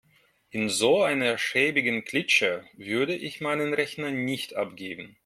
In so einer schäbigen Klitsche würde ich meinen Rechner nicht abgeben.